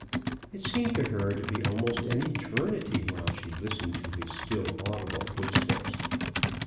It seemed to her to be almost an eternity while she listened to his still audible footsteps.